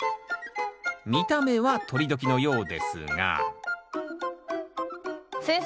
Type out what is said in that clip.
見た目はとり時のようですが先生